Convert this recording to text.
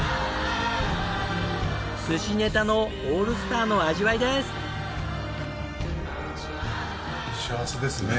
寿司ネタのオールスターの味わいです！